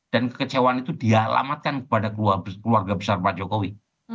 dan kekecewaan itu dialamatkan kepada keluarga besar pak jokowi